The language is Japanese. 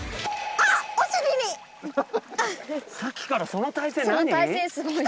さっきからその体勢なに？来た！